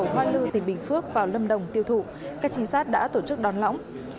hoa lưu tỉnh bình phước vào lâm đồng tiêu thụ các chính sát đã tổ chức đón lõng